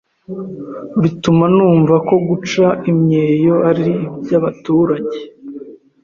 bituma numva ko guca imyeyo ari iby’ abaturage.